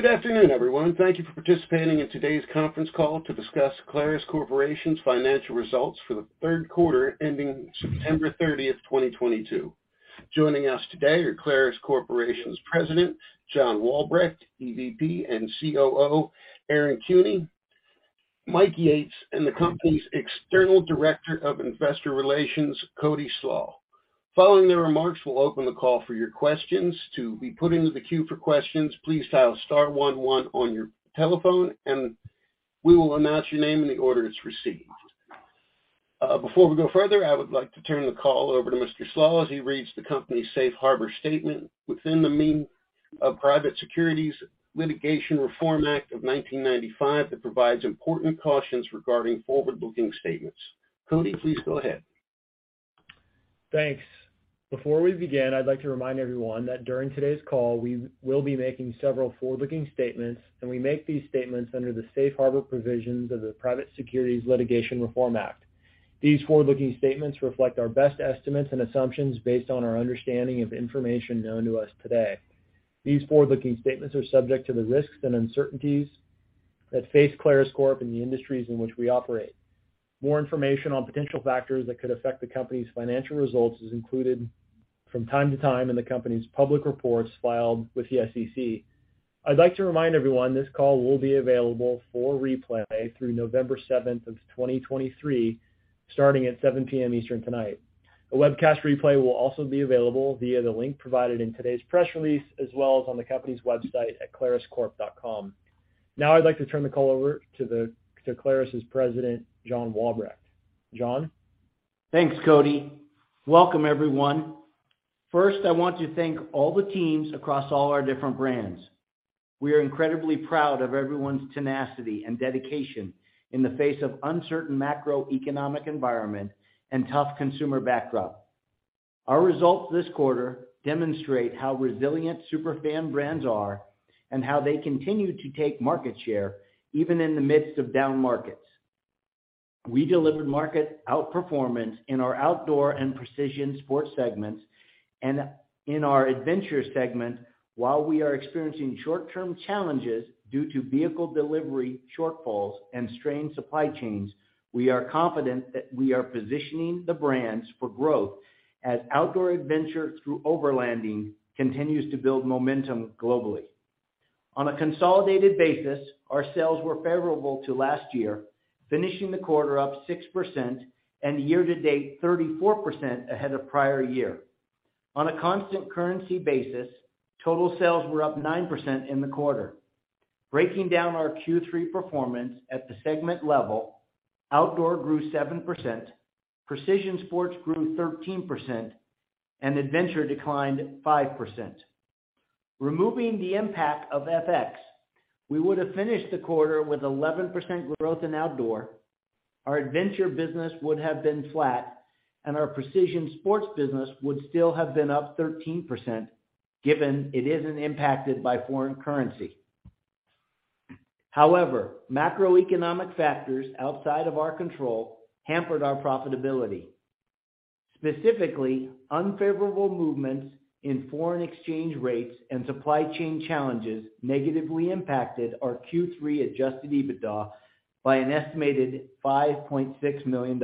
Good afternoon, everyone. Thank you for participating in today's conference call to discuss Clarus Corporation's financial results for the third quarter ending September 30th, 2022. Joining us today are Clarus Corporation's President, John Walbrecht, EVP and COO, Aaron Kuehne, Mike Yates, and the company's External Director of Investor Relations, Cody Slach. Following their remarks, we'll open the call for your questions. To be put into the queue for questions, please dial star one one on your telephone, and we will announce your name in the order it's received. Before we go further, I would like to turn the call over to Mr. Slach as he reads the company's safe harbor statement within the meaning of Private Securities Litigation Reform Act of 1995 that provides important cautions regarding forward-looking statements. Cody, please go ahead. Thanks. Before we begin, I'd like to remind everyone that during today's call, we will be making several forward-looking statements, and we make these statements under the safe harbor provisions of the Private Securities Litigation Reform Act. These forward-looking statements reflect our best estimates and assumptions based on our understanding of information known to us today. These forward-looking statements are subject to the risks and uncertainties that face Clarus Corporation in the industries in which we operate. More information on potential factors that could affect the company's financial results is included from time to time in the company's public reports filed with the SEC. I'd like to remind everyone this call will be available for replay through November 7th, 2023, starting at 7:00 P.M. Eastern tonight. A webcast replay will also be available via the link provided in today's press release, as well as on the company's website at claruscorp.com. Now I'd like to turn the call over to Clarus's President, John Walbrecht. John? Thanks, Cody. Welcome, everyone. First, I want to thank all the teams across all our different brands. We are incredibly proud of everyone's tenacity and dedication in the face of uncertain macroeconomic environment and tough consumer backdrop. Our results this quarter demonstrate how resilient super fan brands are and how they continue to take market share even in the midst of down markets. We delivered market outperformance in our outdoor and precision sports segments. In our adventure segment, while we are experiencing short-term challenges due to vehicle delivery shortfalls and strained supply chains, we are confident that we are positioning the brands for growth as outdoor adventure through overlanding continues to build momentum globally. On a consolidated basis, our sales were favorable to last year, finishing the quarter up 6% and year-to-date 34% ahead of prior year. On a constant currency basis, total sales were up 9% in the quarter. Breaking down our Q3 performance at the segment level, outdoor grew 7%, precision sports grew 13%, and adventure declined 5%. Removing the impact of FX, we would have finished the quarter with 11% growth in outdoor. Our adventure business would have been flat, and our precision sports business would still have been up 13%, given it isn't impacted by foreign currency. However, macroeconomic factors outside of our control hampered our profitability. Specifically, unfavorable movements in foreign exchange rates and supply chain challenges negatively impacted our Q3 Adjusted EBITDA by an estimated $5.6 million.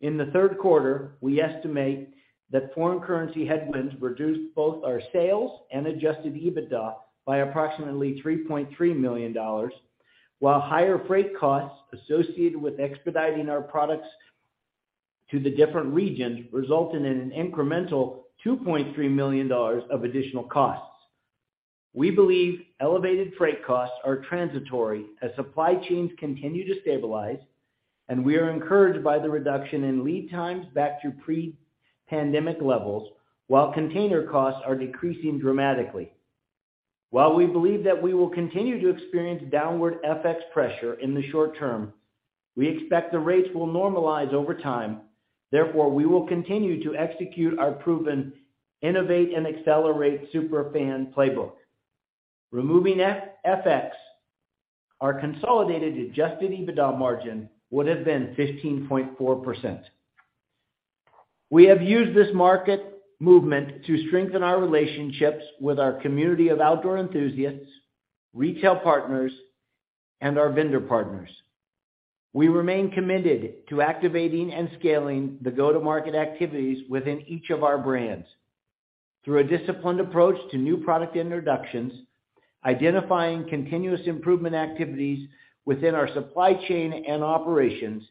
In the third quarter, we estimate that foreign currency headwinds reduced both our sales and Adjusted EBITDA by approximately $3.3 million, while higher freight costs associated with expediting our products to the different regions resulted in an incremental $2.3 million of additional costs. We believe elevated freight costs are transitory as supply chains continue to stabilize, and we are encouraged by the reduction in lead times back to pre-pandemic levels while container costs are decreasing dramatically. While we believe that we will continue to experience downward FX pressure in the short term, we expect the rates will normalize over time. Therefore, we will continue to execute our proven innovate and accelerate super fan playbook. Removing FX, our consolidated Adjusted EBITDA margin would have been 15.4%. We have used this market movement to strengthen our relationships with our community of outdoor enthusiasts, retail partners, and our vendor partners. We remain committed to activating and scaling the go-to-market activities within each of our brands. Through a disciplined approach to new product introductions, identifying continuous improvement activities within our supply chain and operations,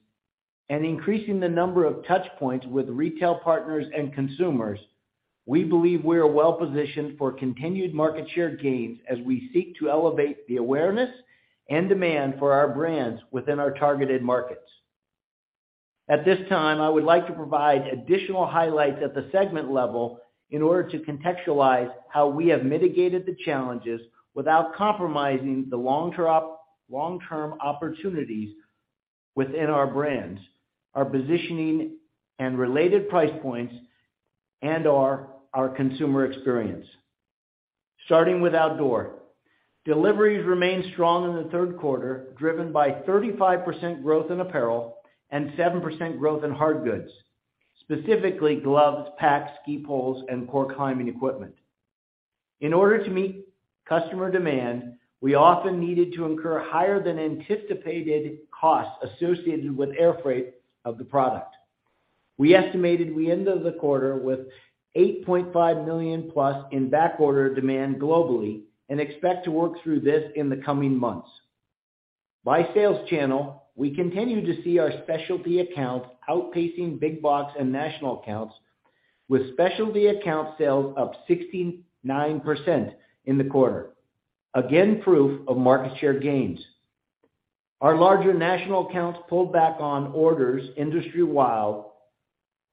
and increasing the number of touch points with retail partners and consumers, we believe we are well positioned for continued market share gains as we seek to elevate the awareness and demand for our brands within our targeted markets. At this time, I would like to provide additional highlights at the segment level in order to contextualize how we have mitigated the challenges without compromising the long-term opportunities within our brands, our positioning and related price points, and our consumer experience. Starting with Outdoor. Deliveries remained strong in the third quarter, driven by 35% growth in apparel and 7% growth in hard goods. Specifically gloves, packs, ski poles, and core climbing equipment. In order to meet customer demand, we often needed to incur higher than anticipated costs associated with air freight of the product. We estimated we end the quarter with $8.5 million+ in back order demand globally, and expect to work through this in the coming months. By sales channel, we continue to see our specialty accounts outpacing big box and national accounts, with specialty account sales up 69% in the quarter. Again, proof of market share gains. Our larger national accounts pulled back on orders industry-wide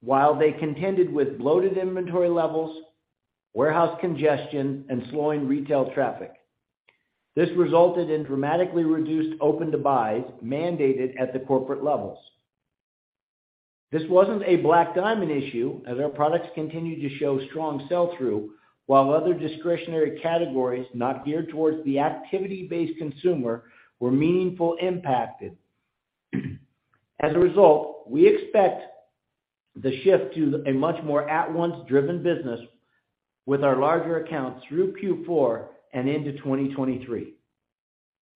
while they contended with bloated inventory levels, warehouse congestion, and slowing retail traffic. This resulted in dramatically reduced open to buys mandated at the corporate levels. This wasn't a Black Diamond issue as our products continued to show strong sell-through while other discretionary categories not geared towards the activity-based consumer were meaningfully impacted. As a result, we expect the shift to a much more at-once driven business with our larger accounts through Q4 and into 2023.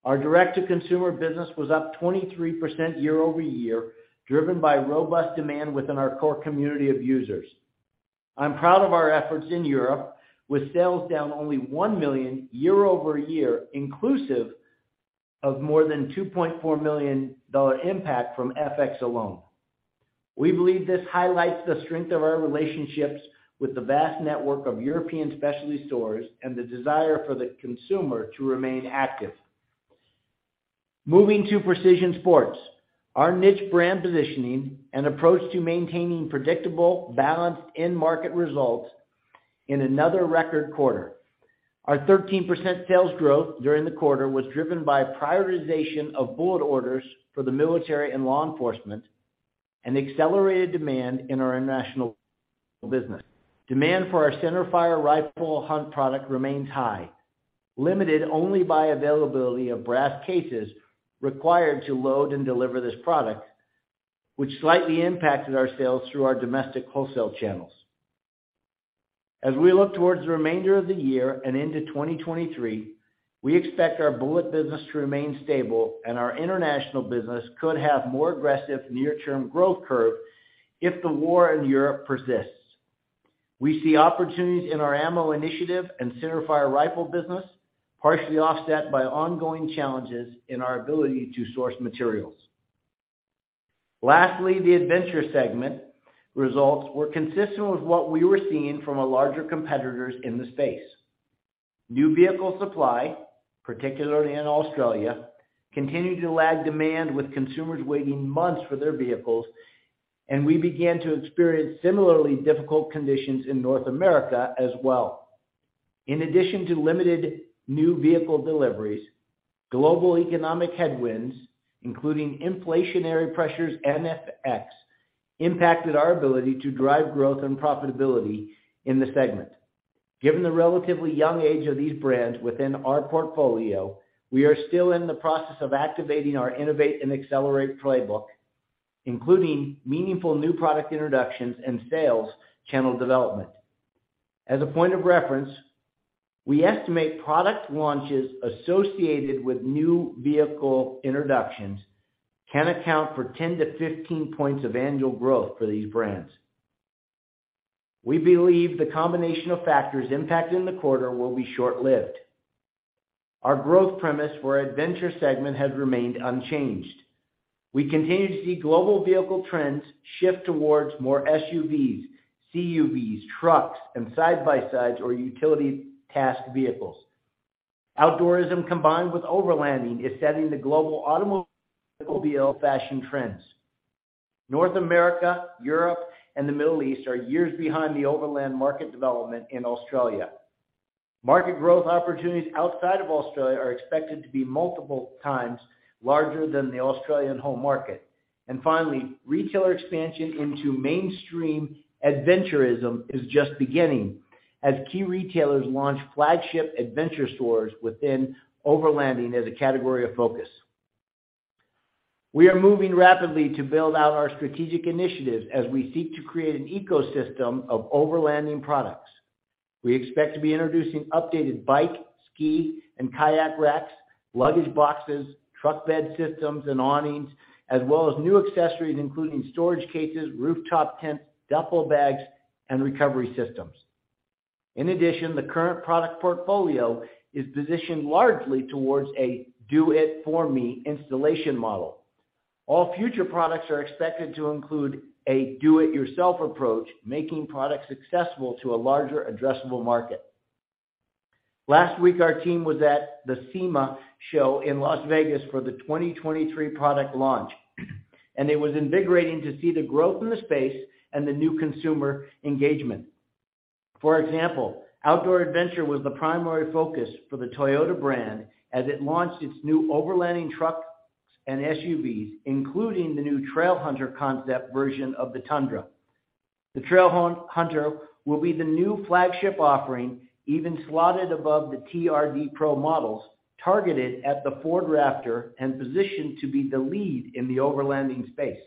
Our direct-to-consumer business was up 23% year-over-year, driven by robust demand within our core community of users. I'm proud of our efforts in Europe with sales down only $1 million year-over-year inclusive of more than $2.4 million impact from FX alone. We believe this highlights the strength of our relationships with the vast network of European specialty stores and the desire for the consumer to remain active. Moving to Precision Sports, our niche brand positioning and approach to maintaining predictable, balanced end market results in another record quarter. Our 13% sales growth during the quarter was driven by prioritization of bullet orders for the military and law enforcement and accelerated demand in our international business. Demand for our centerfire rifle hunt product remains high, limited only by availability of brass cases required to load and deliver this product, which slightly impacted our sales through our domestic wholesale channels. As we look towards the remainder of the year and into 2023, we expect our bullet business to remain stable and our international business could have more aggressive near-term growth curve if the war in Europe persists. We see opportunities in our ammo initiative and centerfire rifle business partially offset by ongoing challenges in our ability to source materials. Lastly, the adventure segment results were consistent with what we were seeing from our larger competitors in the space. New vehicle supply, particularly in Australia, continued to lag demand with consumers waiting months for their vehicles, and we began to experience similarly difficult conditions in North America as well. In addition to limited new vehicle deliveries, global economic headwinds, including inflationary pressures and FX, impacted our ability to drive growth and profitability in the segment. Given the relatively young age of these brands within our portfolio, we are still in the process of activating our innovate and accelerate playbook, including meaningful new product introductions and sales channel development. As a point of reference, we estimate product launches associated with new vehicle introductions can account for 10-15 points of annual growth for these brands. We believe the combination of factors impacting the quarter will be short-lived. Our growth premise for adventure segment has remained unchanged. We continue to see global vehicle trends shift towards more SUVs, CUVs, trucks, and side-by-sides or utility task vehicles. Outdoorism combined with overlanding is setting the global automobile fashion trends. North America, Europe, and the Middle East are years behind the overland market development in Australia. Market growth opportunities outside of Australia are expected to be multiple times larger than the Australian home market. Finally, retailer expansion into mainstream adventurism is just beginning as key retailers launch flagship adventure stores within overlanding as a category of focus. We are moving rapidly to build out our strategic initiatives as we seek to create an ecosystem of overlanding products. We expect to be introducing updated bike, ski, and kayak racks, luggage boxes, truck bed systems and awnings, as well as new accessories including storage cases, rooftop tents, duffel bags, and recovery systems. In addition, the current product portfolio is positioned largely towards a do it for me installation model. All future products are expected to include a do it yourself approach, making products accessible to a larger addressable market. Last week, our team was at the SEMA show in Las Vegas for the 2023 product launch, and it was invigorating to see the growth in the space and the new consumer engagement. For example, outdoor adventure was the primary focus for the Toyota brand as it launched its new overlanding trucks and SUVs, including the new Trailhunter concept version of the Tundra. The Trailhunter will be the new flagship offering even slotted above the TRD Pro models. Targeted at the Ford Raptor and positioned to be the lead in the overlanding space.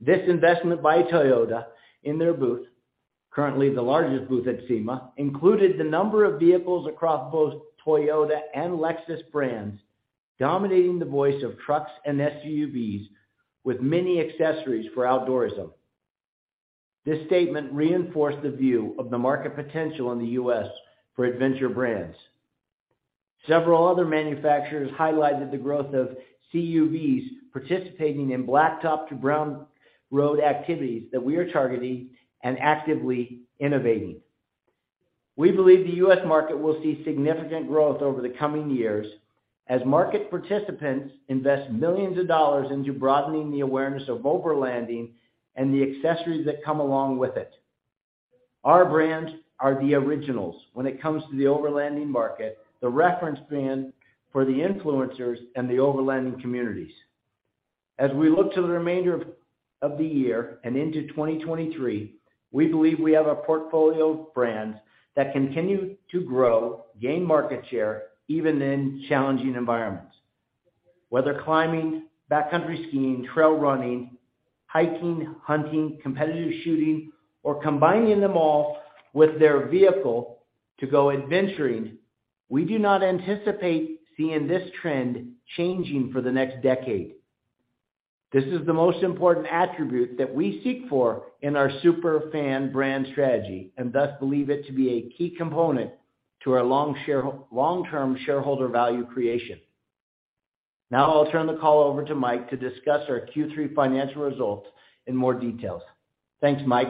This investment by Toyota in their booth, currently the largest booth at SEMA, included the number of vehicles across both Toyota and Lexus brands, dominating the choice of trucks and SUVs with many accessories for outdoors. This statement reinforced the view of the market potential in the U.S. for adventure brands. Several other manufacturers highlighted the growth of CUVs participating in blacktop to brown road activities that we are targeting and actively innovating. We believe the U.S. market will see significant growth over the coming years as market participants invest millions of dollars into broadening the awareness of overlanding and the accessories that come along with it. Our brands are the originals when it comes to the overlanding market, the reference brand for the influencers and the overlanding communities. As we look to the remainder of the year and into 2023, we believe we have a portfolio of brands that continue to grow, gain market share, even in challenging environments. Whether climbing, backcountry skiing, trail running, hiking, hunting, competitive shooting, or combining them all with their vehicle to go adventuring, we do not anticipate seeing this trend changing for the next decade. This is the most important attribute that we seek for in our super fan brand strategy, and thus believe it to be a key component to our long-term shareholder value creation. Now, I'll turn the call over to Mike to discuss our Q3 financial results in more details. Thanks, Mike.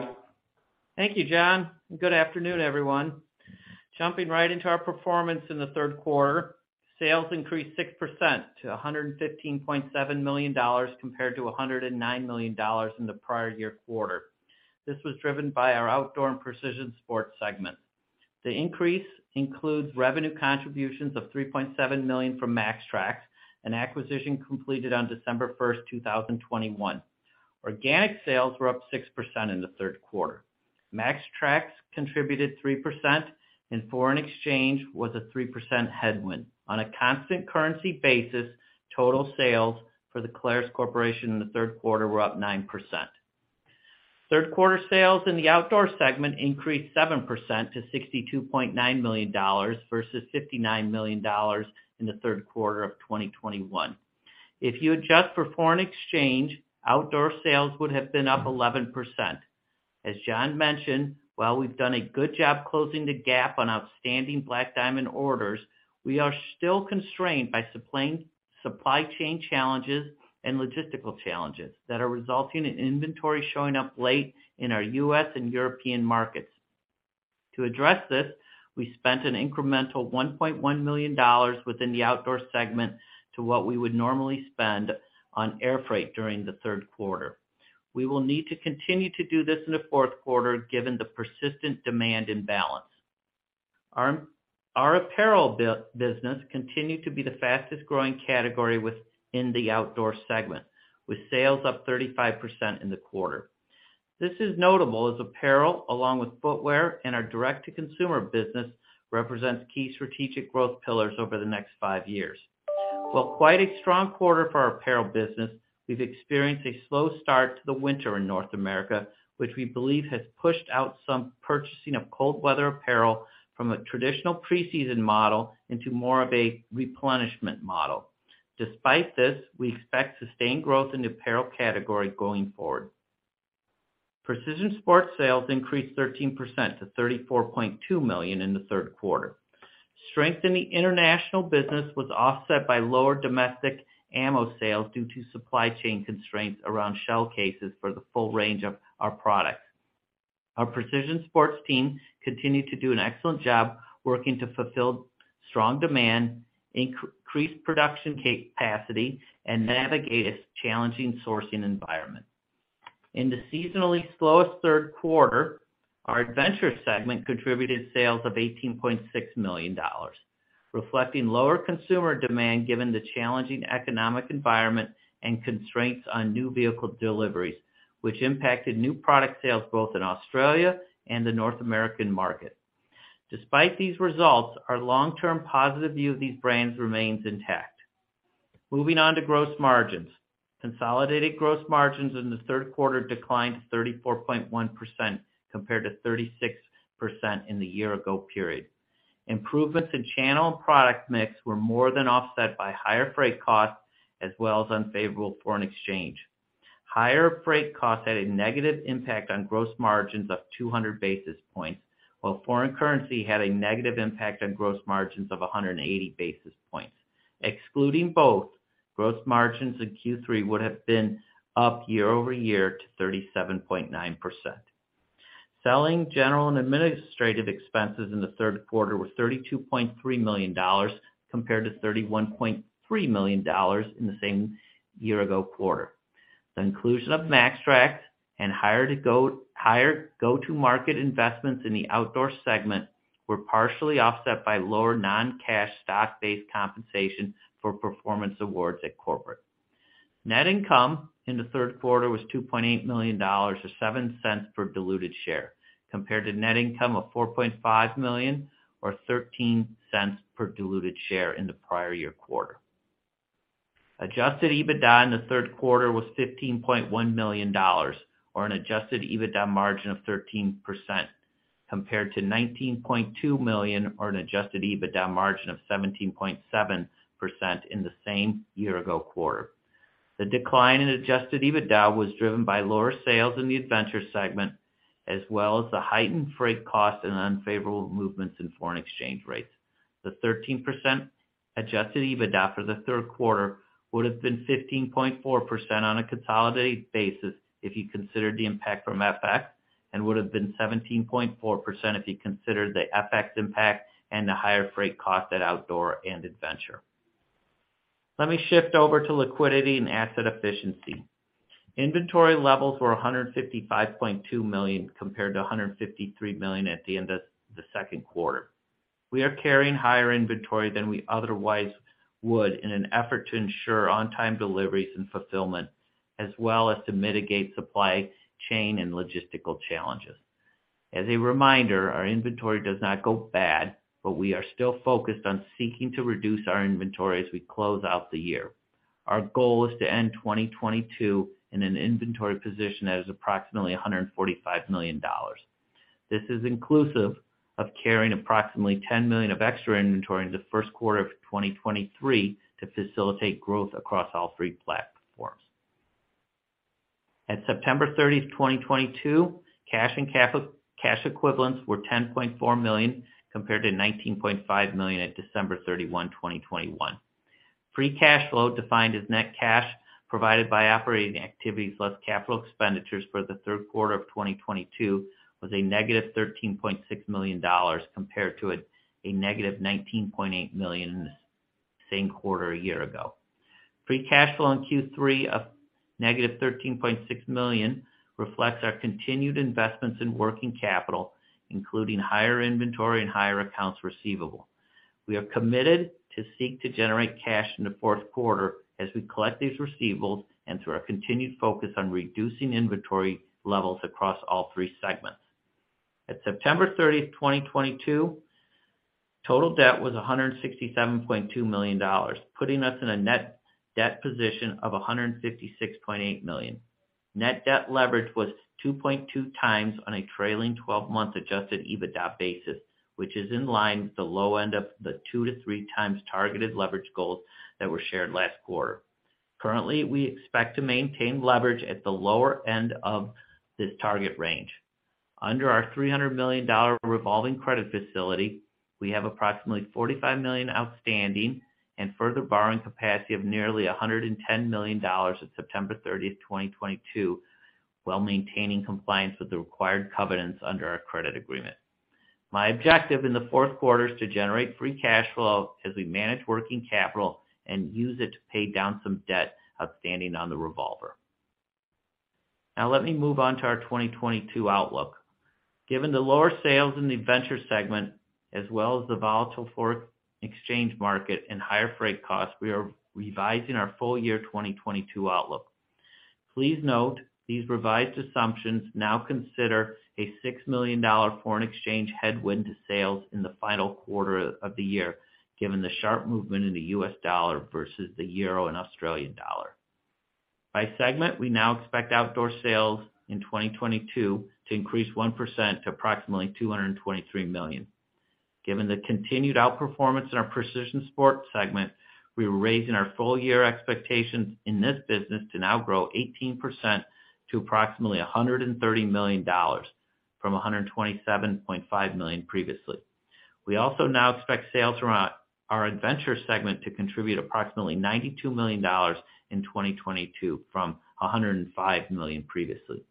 Thank you, John, and good afternoon, everyone. Jumping right into our performance in the third quarter. Sales increased 6% to $115.7 million compared to $109 million in the prior year quarter. This was driven by our outdoor and precision sports segment. The increase includes revenue contributions of $3.7 million from MAXTRAX, an acquisition completed on December 1st, 2021. Organic sales were up 6% in the third quarter. MAXTRAX contributed 3% and foreign exchange was a 3% headwind. On a constant currency basis, total sales for the Clarus Corporation in the third quarter were up 9%. Third quarter sales in the outdoor segment increased 7% to $62.9 million versus $59 million in the third quarter of 2021. If you adjust for foreign exchange, outdoor sales would have been up 11%. As John mentioned, while we've done a good job closing the gap on outstanding Black Diamond orders, we are still constrained by supply chain challenges and logistical challenges that are resulting in inventory showing up late in our U.S. and European markets. To address this, we spent an incremental $1.1 million within the outdoor segment to what we would normally spend on air freight during the third quarter. We will need to continue to do this in the fourth quarter given the persistent demand imbalance. Our apparel business continued to be the fastest-growing category within the outdoor segment, with sales up 35% in the quarter. This is notable as apparel, along with footwear and our direct-to-consumer business, represents key strategic growth pillars over the next five years. While quite a strong quarter for our apparel business, we've experienced a slow start to the winter in North America, which we believe has pushed out some purchasing of cold weather apparel from a traditional preseason model into more of a replenishment model. Despite this, we expect sustained growth in the apparel category going forward. Precision sports sales increased 13% to $34.2 million in the third quarter. Strength in the international business was offset by lower domestic ammo sales due to supply chain constraints around shell cases for the full range of our products. Our precision sports team continued to do an excellent job working to fulfill strong demand, increased production capacity, and navigate a challenging sourcing environment. In the seasonally slowest third quarter, our adventure segment contributed sales of $18.6 million, reflecting lower consumer demand given the challenging economic environment and constraints on new vehicle deliveries, which impacted new product sales both in Australia and the North American market. Despite these results, our long-term positive view of these brands remains intact. Moving on to gross margins. Consolidated gross margins in the third quarter declined to 34.1% compared to 36% in the year ago period. Improvements in channel and product mix were more than offset by higher freight costs as well as unfavorable foreign exchange. Higher freight costs had a negative impact on gross margins of 200 basis points, while foreign currency had a negative impact on gross margins of 180 basis points. Excluding both, gross margins in Q3 would have been up year-over-year to 37.9%. Selling, general, and administrative expenses in the third quarter were $32.3 million compared to $31.3 million in the same year-ago quarter. The inclusion of MAXTRAX and higher go-to-market investments in the outdoor segment were partially offset by lower non-cash stock-based compensation for performance awards at corporate. Net income in the third quarter was $2.8 million, or $0.07 per diluted share, compared to net income of $4.5 million or $0.13 per diluted share in the prior-year quarter. Adjusted EBITDA in the third quarter was $15.1 million, or an Adjusted EBITDA margin of 13% compared $19.2 million, or an Adjusted EBITDA margin of 17.7% in the same year ago quarter. The decline in Adjusted EBITDA was driven by lower sales in the adventure segment, as well as the heightened freight costs and unfavorable movements in foreign exchange rates. The 13% Adjusted EBITDA for the third quarter would have been 15.4% on a consolidated basis if you considered the impact from FX, and would have been 17.4% if you considered the FX impact and the higher freight cost at outdoor and adventure. Let me shift over to liquidity and asset efficiency. Inventory levels were $155.2 million, compared to $153 million at the end of the second quarter. We are carrying higher inventory than we otherwise would in an effort to ensure on-time deliveries and fulfillment, as well as to mitigate supply chain and logistical challenges. As a reminder, our inventory does not go bad, but we are still focused on seeking to reduce our inventory as we close out the year. Our goal is to end 2022 in an inventory position that is approximately $145 million. This is inclusive of carrying approximately $10 million of extra inventory in the first quarter of 2023 to facilitate growth across all three platforms. At September 30th, 2022, cash and cash equivalents were $10.4 million compared to $19.5 million at December 31, 2021. Free cash flow, defined as net cash provided by operating activities less capital expenditures for the third quarter of 2022 was -$13.6 million compared to -$19.8 million in the same quarter a year ago. Free cash flow in Q3 of -$13.6 million reflects our continued investments in working capital, including higher inventory and higher accounts receivable. We are committed to seek to generate cash in the fourth quarter as we collect these receivables and through our continued focus on reducing inventory levels across all three segments. At September 30th, 2022, total debt was $167.2 million, putting us in a net debt position of $156.8 million. Net debt leverage was 2.2x on a trailing 12-month Adjusted EBITDA basis, which is in line with the low end of the 2x-3x targeted leverage goals that were shared last quarter. Currently, we expect to maintain leverage at the lower end of this target range. Under our $300 million revolving credit facility, we have approximately $45 million outstanding and further borrowing capacity of nearly $110 million at September 30th, 2022, while maintaining compliance with the required covenants under our credit agreement. My objective in the fourth quarter is to generate free cash flow as we manage working capital and use it to pay down some debt outstanding on the revolver. Now let me move on to our 2022 outlook. Given the lower sales in the adventure segment as well as the volatile forex exchange market and higher freight costs, we are revising our full year 2022 outlook. Please note these revised assumptions now consider a $6 million foreign exchange headwind to sales in the final quarter of the year, given the sharp movement in the U.S. dollar versus the euro and Australian dollar. By segment, we now expect outdoor sales in 2022 to increase 1% to approximately $223 million. Given the continued outperformance in our precision sports segment, we are raising our full year expectations in this business to now grow 18% to approximately $130 million from $127.5 million previously. We also now expect sales from our adventure segment to contribute approximately $92 million in 2022 from $105 million previously.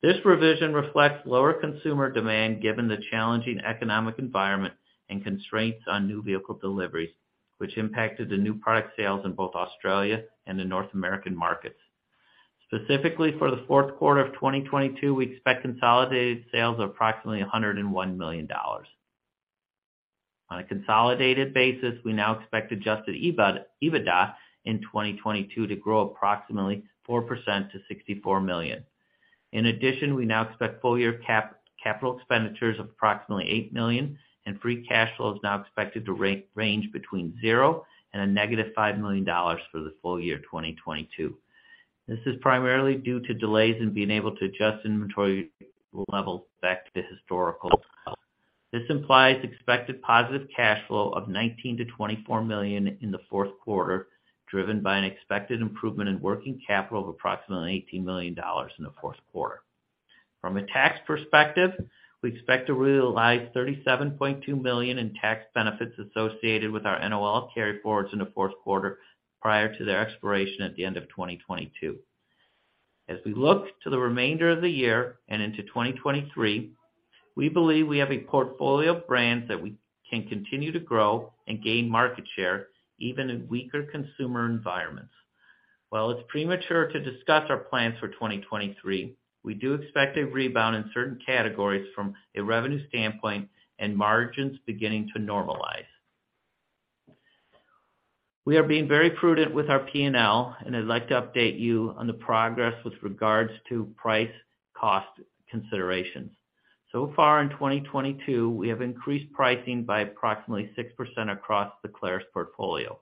This revision reflects lower consumer demand given the challenging economic environment and constraints on new vehicle deliveries, which impacted the new product sales in both Australia and the North American markets. Specifically for the fourth quarter of 2022, we expect consolidated sales of approximately $101 million. On a consolidated basis, we now expect Adjusted EBITDA in 2022 to grow approximately 4% to $64 million. In addition, we now expect full year capital expenditures of approximately $8 million, and free cash flow is now expected to range between $0 and -$5 million for the full year 2022. This is primarily due to delays in being able to adjust inventory levels back to historical. This implies expected positive cash flow of $19 million-$24 million in the fourth quarter, driven by an expected improvement in working capital of approximately $18 million in the fourth quarter. From a tax perspective, we expect to realize $37.2 million in tax benefits associated with our NOL carryforwards in the fourth quarter prior to their expiration at the end of 2022. We look to the remainder of the year and into 2023, we believe we have a portfolio of brands that we can continue to grow and gain market share even in weaker consumer environments. While it's premature to discuss our plans for 2023, we do expect a rebound in certain categories from a revenue standpoint and margins beginning to normalize. We are being very prudent with our P&L, and I'd like to update you on the progress with regards to price cost considerations. Far in 2022, we have increased pricing by approximately 6% across the Clarus portfolio.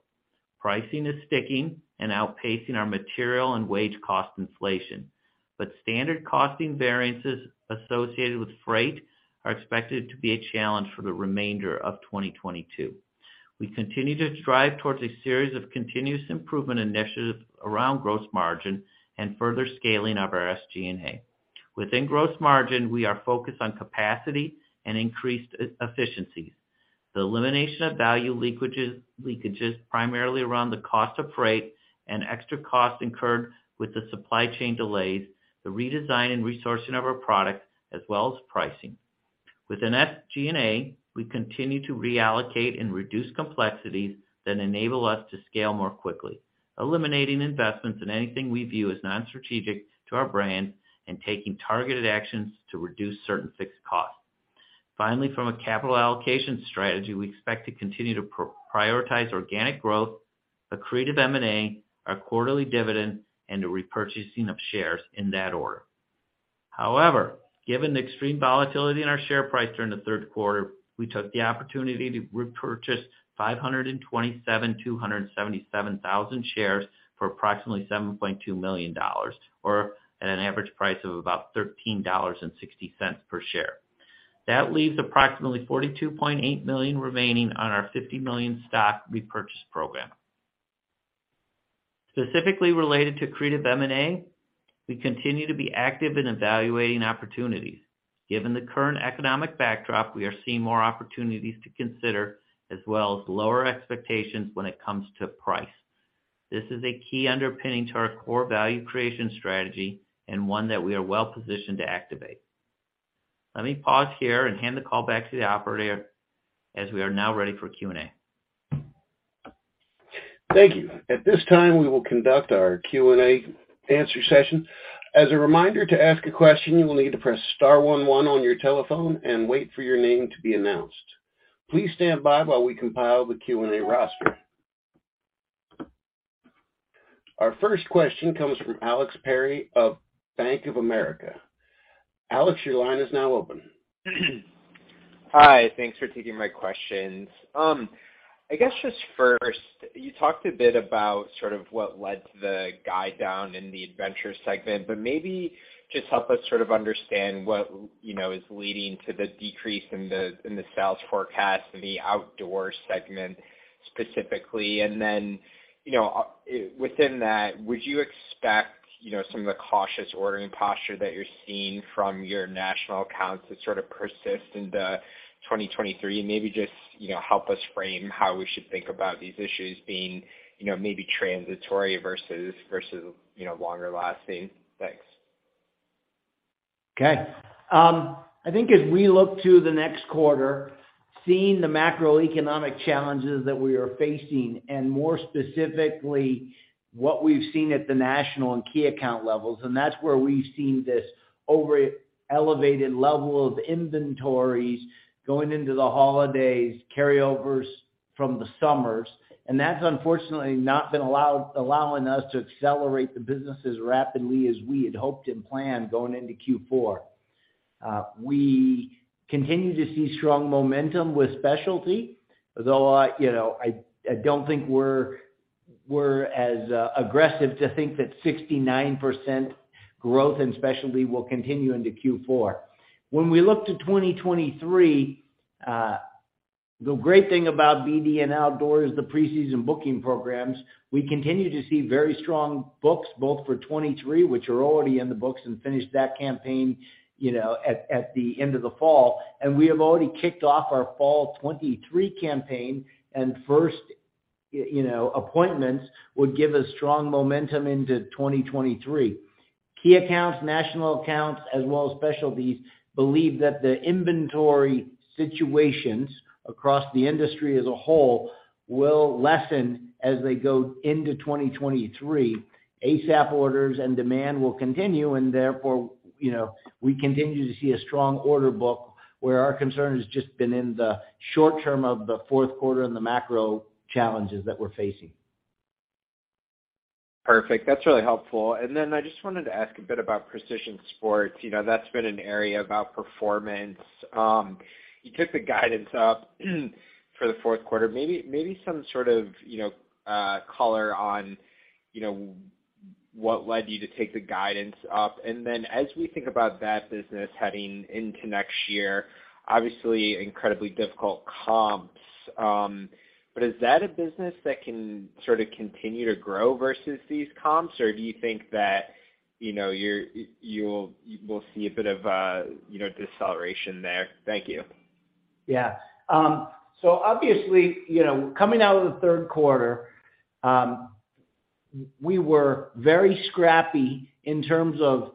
Pricing is sticking and outpacing our material and wage cost inflation, but standard costing variances associated with freight are expected to be a challenge for the remainder of 2022. We continue to strive towards a series of continuous improvement initiatives around gross margin and further scaling of our SG&A. Within gross margin, we are focused on capacity and increased efficiencies. The elimination of value leakages primarily around the cost of freight and extra costs incurred with the supply chain delays, the redesign and resourcing of our products, as well as pricing. Within SG&A, we continue to reallocate and reduce complexities that enable us to scale more quickly, eliminating investments in anything we view as non-strategic to our brand and taking targeted actions to reduce certain fixed costs. Finally, from a capital allocation strategy, we expect to continue to re-prioritize organic growth, accretive M&A, our quarterly dividend, and the repurchasing of shares in that order. However, given the extreme volatility in our share price during the third quarter, we took the opportunity to repurchase 527,277 shares for approximately $7.2 million or at an average price of about $13.60 per share. That leaves approximately $42.8 million remaining on our $50 million stock repurchase program. Specifically related to accretive M&A, we continue to be active in evaluating opportunities. Given the current economic backdrop, we are seeing more opportunities to consider as well as lower expectations when it comes to price. This is a key underpinning to our core value creation strategy and one that we are well positioned to activate. Let me pause here and hand the call back to the operator as we are now ready for Q&A. Thank you. At this time, we will conduct our Q&A answer session. As a reminder, to ask a question, you will need to press star one one on your telephone and wait for your name to be announced. Please stand by while we compile the Q&A roster. Our first question comes from Alex Perry of Bank of America. Alex, your line is now open. Hi. Thanks for taking my questions. I guess just first, you talked a bit about sort of what led to the guide down in the adventure segment, but maybe just help us sort of understand what, you know, is leading to the decrease in the sales forecast in the outdoor segment specifically. You know, within that, would you expect, you know, some of the cautious ordering posture that you're seeing from your national accounts to sort of persist into 2023? You know, help us frame how we should think about these issues being, you know, maybe transitory versus, you know, longer lasting. Thanks. Okay. I think as we look to the next quarter, seeing the macroeconomic challenges that we are facing and more specifically what we've seen at the national and key account levels, and that's where we've seen this over-elevated level of inventories going into the holidays, carryovers from the summers. That's unfortunately not allowing us to accelerate the business as rapidly as we had hoped and planned going into Q4. We continue to see strong momentum with specialty, although you know, I don't think we're as aggressive to think that 69% growth in specialty will continue into Q4. When we look to 2023, the great thing about BD and Outdoor is the preseason booking programs. We continue to see very strong books both for 2023, which are already in the books and finished that campaign, you know, at the end of the fall. We have already kicked off our fall 2023 campaign and first you know appointments would give us strong momentum into 2023. Key accounts, national accounts, as well as specialties believe that the inventory situations across the industry as a whole will lessen as they go into 2023. ASAP orders and demand will continue and therefore, you know, we continue to see a strong order book where our concern has just been in the short term of the fourth quarter and the macro challenges that we're facing. Perfect. That's really helpful. I just wanted to ask a bit about Precision Sport. You know, that's been an area about performance. You took the guidance up for the fourth quarter. Maybe some sort of, you know, color on, you know, what led you to take the guidance up. As we think about that business heading into next year, obviously incredibly difficult comps, but is that a business that can sort of continue to grow versus these comps? Or do you think that, you know, we'll see a bit of a, you know, deceleration there? Thank you. Yeah. So obviously, you know, coming out of the third quarter, we were very scrappy in terms of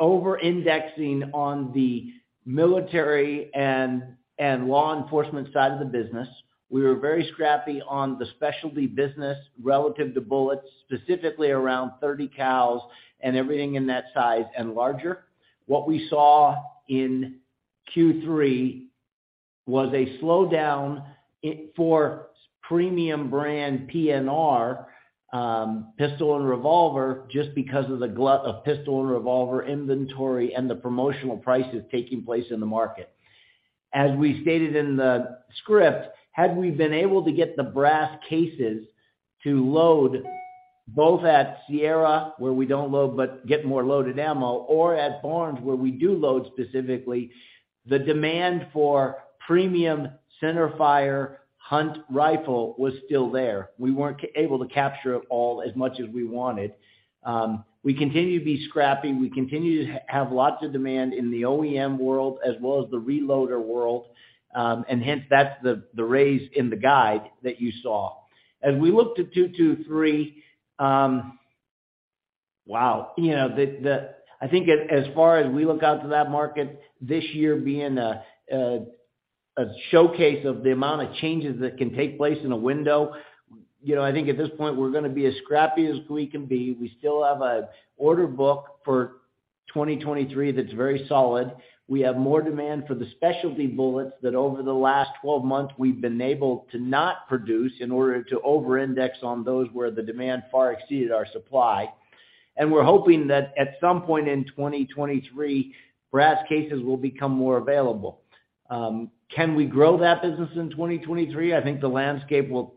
over-indexing on the military and law enforcement side of the business. We were very scrappy on the specialty business relative to bullets, specifically around 30 cals and everything in that size and larger. What we saw in Q3 was a slowdown in premium brand PNR, pistol and revolver, just because of the glut of pistol and revolver inventory and the promotional prices taking place in the market. As we stated in the script, had we been able to get the brass cases to load both at Sierra, where we don't load, but get more loaded ammo, or at Barnes, where we do load specifically, the demand for premium centerfire hunt rifle was still there. We weren't able to capture it all as much as we wanted. We continue to be scrappy. We continue to have lots of demand in the OEM world as well as the reloader world, and hence that's the raise in the guide that you saw. As we look to 2023, wow, you know, I think as far as we look out to that market this year being a showcase of the amount of changes that can take place in a window, you know, I think at this point, we're gonna be as scrappy as we can be. We still have a order book for 2023 that's very solid. We have more demand for the specialty bullets that over the last 12 months we've been able to not produce in order to overindex on those where the demand far exceeded our supply. We're hoping that at some point in 2023, brass cases will become more available. Can we grow that business in 2023? I think the landscape will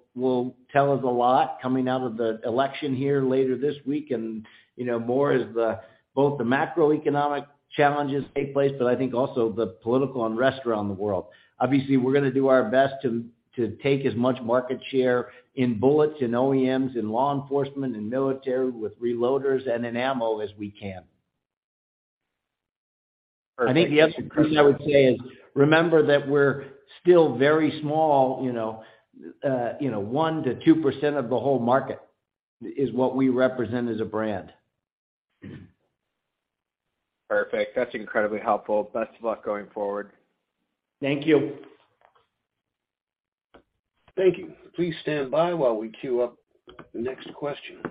tell us a lot coming out of the election here later this week. You know, more as the both the macroeconomic challenges take place, but I think also the political unrest around the world. Obviously, we're gonna do our best to take as much market share in bullets, in OEMs, in law enforcement, in military, with reloaders and in ammo as we can. Perfect. I think the other thing I would say is remember that we're still very small, you know, you know, 1%-2% of the whole market is what we represent as a brand. Perfect. That's incredibly helpful. Best of luck going forward. Thank you. Thank you. Please stand by while we queue up the next question.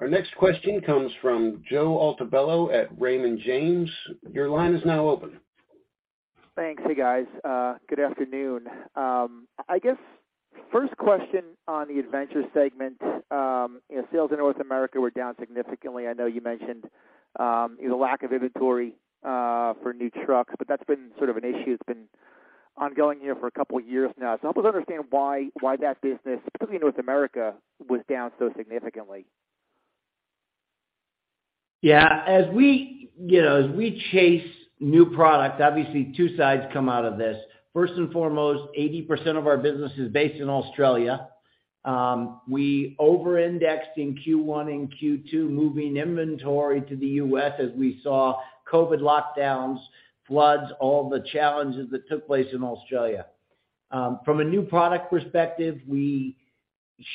Our next question comes from Joe Altobello at Raymond James. Your line is now open. Thanks. Hey, guys, good afternoon. I guess first question on the Adventure segment. You know, sales in North America were down significantly. I know you mentioned the lack of inventory for new trucks, but that's been sort of an issue. It's been ongoing here for a couple of years now. I hope to understand why that business, particularly North America, was down so significantly. Yeah. As we, you know, as we chase new products, obviously two sides come out of this. First and foremost, 80% of our business is based in Australia. We overindexed in Q1 and Q2, moving inventory to the U.S. as we saw COVID lockdowns, floods, all the challenges that took place in Australia. From a new product perspective, we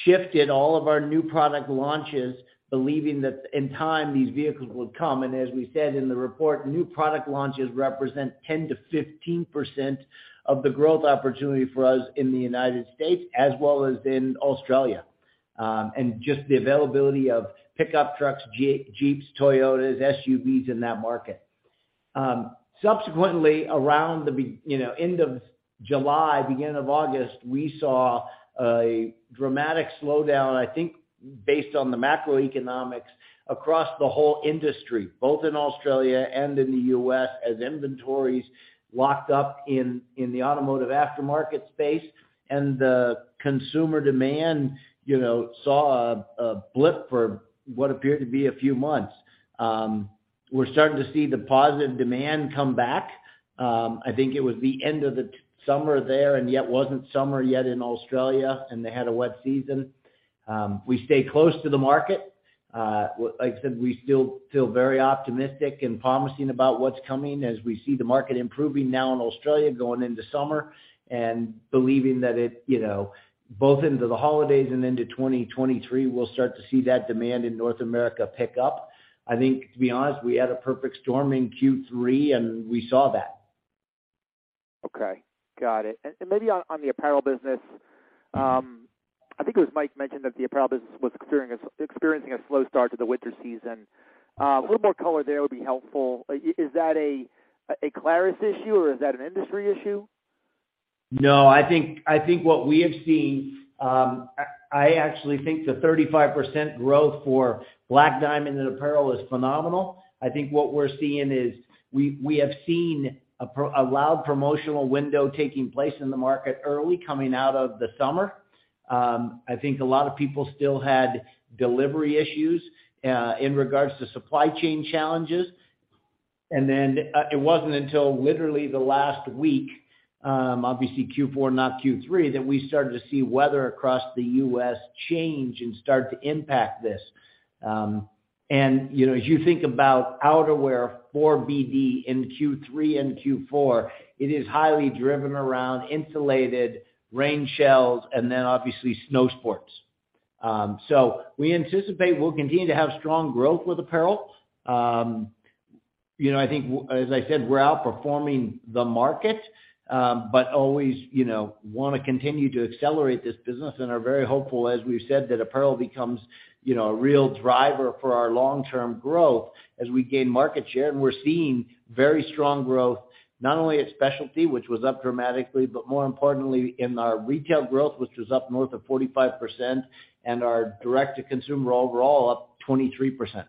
shifted all of our new product launches, believing that in time these vehicles would come. As we said in the report, new product launches represent 10%-15% of the growth opportunity for us in the United States as well as in Australia, and just the availability of pickup trucks, Jeeps, Toyotas, SUVs in that market. Subsequently, around the end of July, beginning of August, we saw a dramatic slowdown, I think based on the macroeconomics across the whole industry, both in Australia and in the U.S., as inventories locked up in the automotive aftermarket space and the consumer demand, you know, saw a blip for what appeared to be a few months. We're starting to see the positive demand come back. I think it was the end of the summer there, and yet wasn't summer yet in Australia, and they had a wet season. We stay close to the market. Like I said, we still feel very optimistic and promising about what's coming as we see the market improving now in Australia going into summer and believing that it, you know, both into the holidays and into 2023, we'll start to see that demand in North America pick up. I think to be honest, we had a perfect storm in Q3, and we saw that. Okay, got it. Maybe on the apparel business, I think it was Mike mentioned that the apparel business was experiencing a slow start to the winter season. A little more color there would be helpful. Is that a Clarus issue or is that an industry issue? No, I think what we have seen, I actually think the 35% growth for Black Diamond in apparel is phenomenal. I think what we're seeing is we have seen a prolonged promotional window taking place in the market early coming out of the summer. I think a lot of people still had delivery issues in regards to supply chain challenges. Then, it wasn't until literally the last week, obviously Q4, not Q3, that we started to see weather across the U.S. change and start to impact this. You know, as you think about outerwear for BD in Q3 and Q4, it is highly driven around insulated rain shells and then obviously snow sports. We anticipate we'll continue to have strong growth with apparel. You know, I think, as I said, we're outperforming the market, but always, you know, wanna continue to accelerate this business and are very hopeful, as we've said, that apparel becomes, you know, a real driver for our long-term growth as we gain market share. We're seeing very strong growth, not only at specialty, which was up dramatically, but more importantly in our retail growth, which was up north of 45% and our direct to consumer overall up 23%.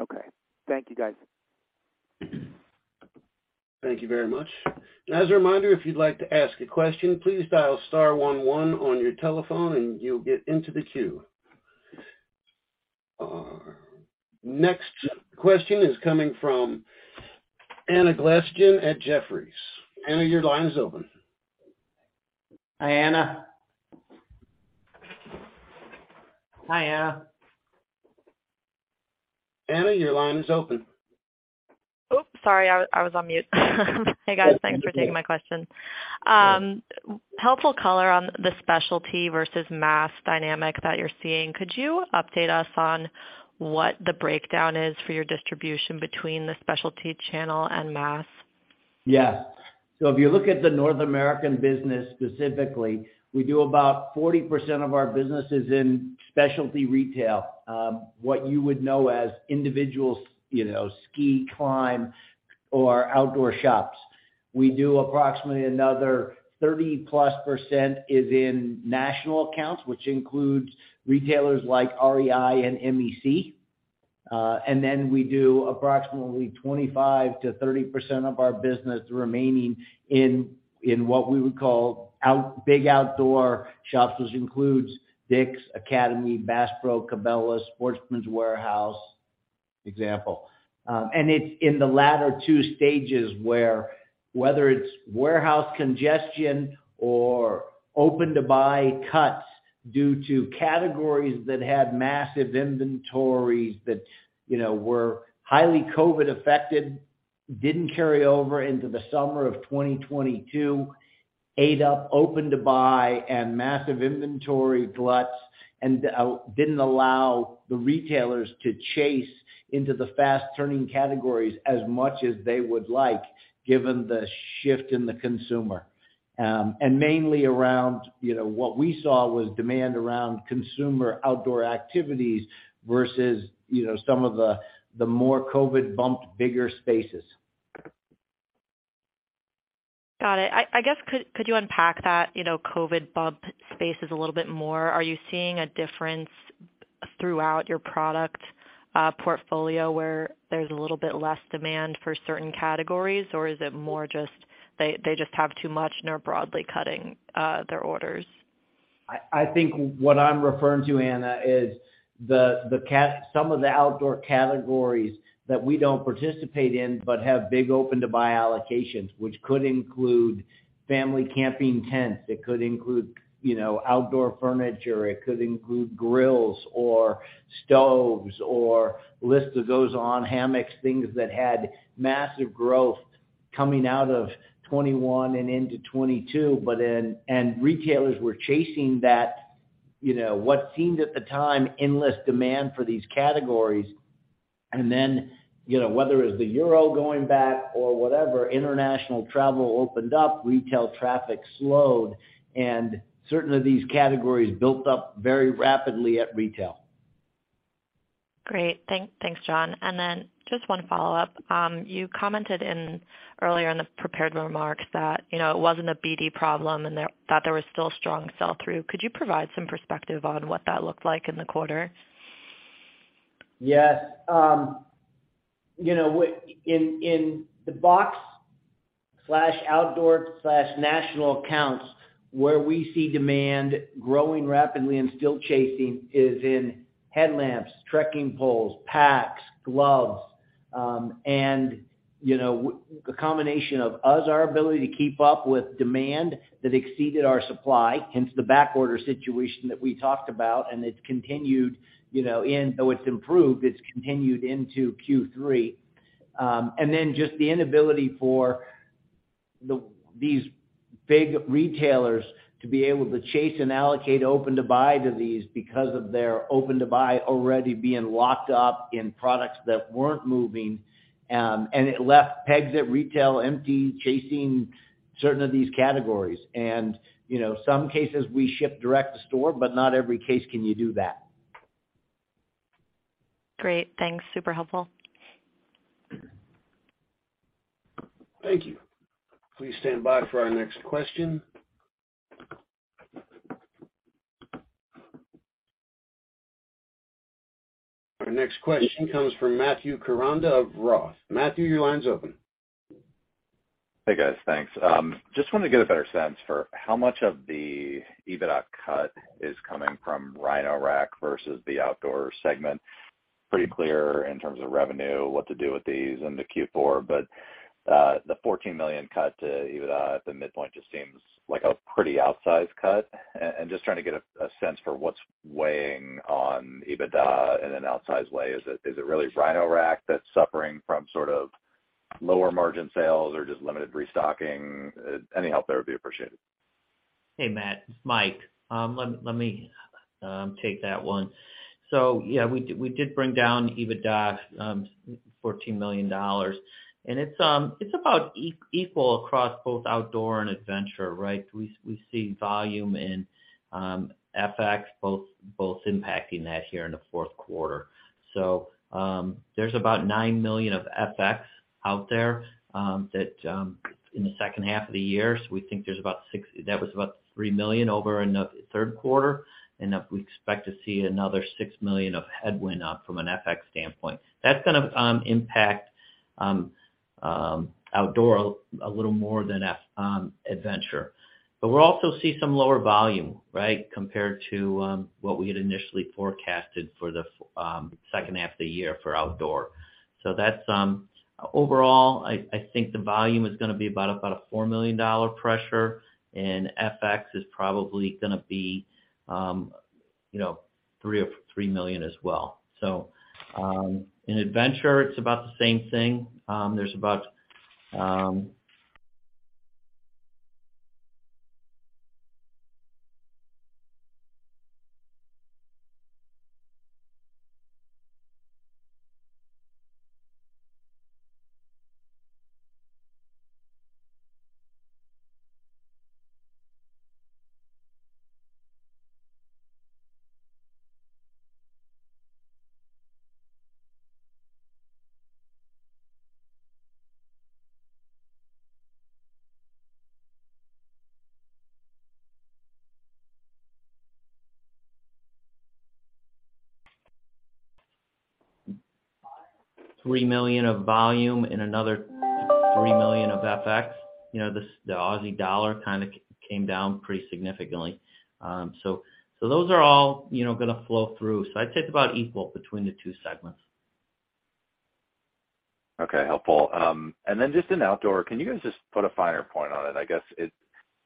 Okay. Thank you, guys. Thank you very much. As a reminder, if you'd like to ask a question, please dial star one one on your telephone and you'll get into the queue. Our next question is coming from Anna Glaessgen at Jefferies. Anna, your line is open. Hi, Anna. Hi, Anna. Anna, your line is open. Oops, sorry, I was on mute. Hey, guys. Thank you for taking my question. Helpful color on the specialty versus mass dynamic that you're seeing. Could you update us on what the breakdown is for your distribution between the specialty channel and mass? Yes. If you look at the North American business specifically, we do about 40% of our business is in specialty retail, what you would know as individual ski, climb or outdoor shops. We do approximately another 30%+ is in national accounts, which includes retailers like REI and MEC. We do approximately 25%-30% of our business remaining in what we would call big outdoor shops. This includes Dick's, Academy, Bass Pro, Cabela's, Sportsman's Warehouse, example. It's in the latter two stages where whether it's warehouse congestion or open-to-buy cuts due to categories that had massive inventories that, you know, were highly COVID affected, didn't carry over into the summer of 2022, ate up open-to-buy and massive inventory gluts didn't allow the retailers to chase into the fast turning categories as much as they would like, given the shift in the consumer. And mainly around, you know, what we saw was demand around consumer outdoor activities versus, you know, some of the more COVID bumped bigger spaces. Got it. I guess, could you unpack that, you know, COVID bump sales a little bit more? Are you seeing a difference throughout your product portfolio where there's a little bit less demand for certain categories, or is it more just they just have too much and are broadly cutting their orders? I think what I'm referring to, Anna, is some of the outdoor categories that we don't participate in, but have big open-to-buy allocations, which could include family camping tents. It could include, you know, outdoor furniture. It could include grills or stoves or like those on hammocks, things that had massive growth coming out of 2021 and into 2022. Retailers were chasing that, you know, what seemed at the time endless demand for these categories. Whether it was the euro going back or whatever, international travel opened up, retail traffic slowed, and certainly these categories built up very rapidly at retail. Great. Thanks, John. Then just one follow-up. You commented earlier in the prepared remarks that, you know, it wasn't a BD problem and that there was still strong sell-through. Could you provide some perspective on what that looked like in the quarter? Yes. You know, in the big box/outdoor/national accounts, where we see demand growing rapidly and the chasing is in headlamps, trekking poles, packs, gloves, and, you know, a combination of our ability to keep up with demand that exceeded our supply, hence the backorder situation that we talked about. It's continued, you know, though it's improved, it's continued into Q3. And then just the inability for these big retailers to be able to chase and allocate open-to-buy to these because of their open-to-buy already being locked up in products that weren't moving, and it left pegs at retail empty, chasing certain of these categories. You know, some cases we ship direct to store, but not every case can you do that. Great. Thanks. Super helpful. Thank you. Please stand by for our next question. Our next question comes from Matthew Koranda of Roth. Matthew, your line's open. Hey, guys, thanks. Just wanted to get a better sense for how much of the EBITDA cut is coming from Rhino-Rack versus the outdoor segment. Pretty clear in terms of revenue what to do with these into Q4. The $14 million cut to EBITDA at the midpoint just seems like a pretty outsized cut. Just trying to get a sense for what's weighing on EBITDA in an outsized way. Is it really Rhino-Rack that's suffering from sort of lower margin sales or just limited restocking? Any help there would be appreciated. Hey, Matt, it's Mike. Let me take that one. Yeah, we did bring down EBITDA $14 million. It's about equal across both outdoor and adventure, right? We see volume and FX both impacting that here in the fourth quarter. There's about $9 million of FX out there in the second half of the year. We think that was about $3 million in the third quarter, and we expect to see another $6 million of headwind from an FX standpoint. That's gonna impact outdoor a little more than adventure. We're also seeing some lower volume, right? Compared to what we had initially forecasted for the second half of the year for outdoor. That's overall, I think the volume is gonna be about a $4 million pressure, and FX is probably gonna be, you know, $3 million as well. In adventure, it's about the same thing. There's about $3 million of volume and another $3 million of FX. You know, the Aussie dollar kind of came down pretty significantly. Those are all, you know, gonna flow through. I'd say it's about equal between the two segments. Okay, helpful. Just in outdoor, can you guys just put a finer point on it? I guess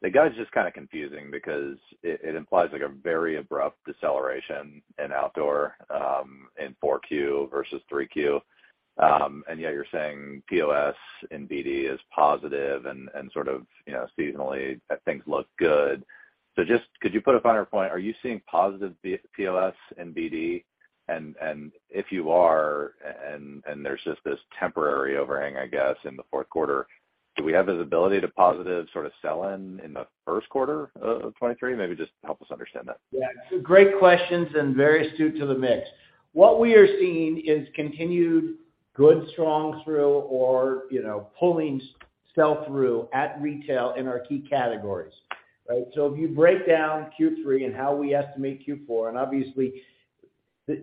the guidance is just kind of confusing because it implies like a very abrupt deceleration in outdoor in 4Q versus 3Q. Yet you're saying POS and BD is positive and sort of, you know, seasonally that things look good. Just could you put a finer point? Are you seeing positive POS and BD? If you are, and there's just this temporary overhang, I guess, in the fourth quarter, do we have the ability to positive sort of sell-in in the first quarter of 2023? Maybe just help us understand that. Yeah. Great questions and very astute to the mix. What we are seeing is continued good strong throughput, you know, pulling sell-through at retail in our key categories, right? If you break down Q3 and how we estimate Q4, and obviously,